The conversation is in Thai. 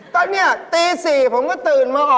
พอบ่าย๓๐๐ปุ๊บ